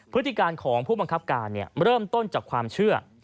พฤติการของผู้บังคับการเริ่มต้นจากความเชื่อ